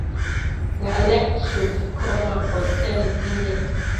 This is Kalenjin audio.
Ngalek chug ko maboten inye